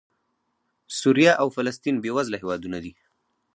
سوریه او فلسطین بېوزله هېوادونه دي.